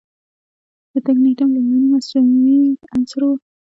د تکنیټیم لومړنی مصنوعي عنصر و.